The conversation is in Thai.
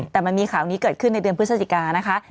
แต่มันมีข่าวนี้เกิดขึ้นในเดือนพฤศจิกานะคะ